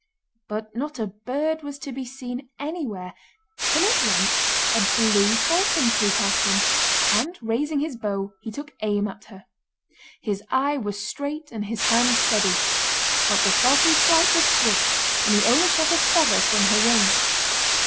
But not a bird was to be seen anywhere, till at length a blue falcon flew past him, and raising his bow he took aim at her. His eye was straight and his hand steady, but the falcon's flight was swift, and he only shot a feather from her wing.